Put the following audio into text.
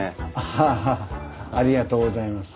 はあありがとうございます。